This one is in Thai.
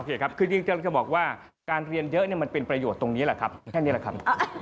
โอเคครับคือจริงจะบอกว่าการเรียนเยอะเนี่ยมันเป็นประโยชน์ตรงนี้แหละครับ